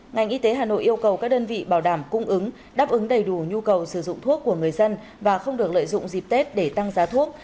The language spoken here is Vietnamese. ngành y tế hà nội yêu cầu các đơn vị bảo đảm cung ứng đáp ứng đầy đủ nhu cầu sử dụng thuốc của người dân và không được lợi dụng dịp tết để tăng giá thuốc